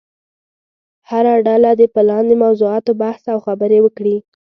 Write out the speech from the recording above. هره ډله دې په لاندې موضوعاتو بحث او خبرې وکړي.